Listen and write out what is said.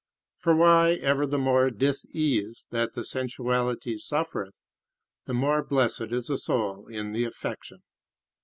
For why, ever the more disease that the sensuality suffereth, the more blessed is the soul in the affection.